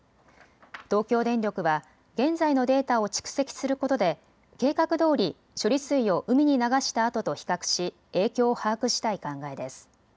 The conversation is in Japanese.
東京電力は現在のデータを蓄積することで計画どおり処理水を海に流したあとと比較し影響を把握したい考えです。